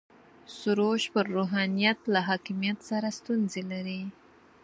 سروش پر روحانیت له حاکمیت سره ستونزه لري.